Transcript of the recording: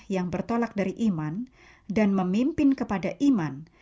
yang bertolak dari iman dan memimpin kepada iman